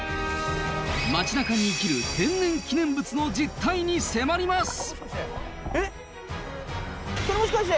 町なかに生きる天然記念物の実態に迫ります！